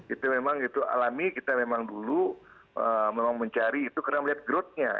itu memang itu alami kita memang dulu memang mencari itu karena melihat growth nya